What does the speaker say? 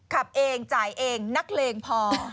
ขับเองจ่ายเองนักเลงพอ